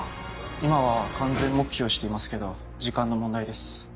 今は完全黙秘をしていますけど時間の問題です。